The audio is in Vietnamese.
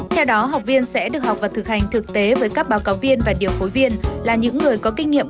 theo đó học viên sẽ được học và thực hành thực tế với các báo cáo viên và điều phối viên là những người có kinh nghiệm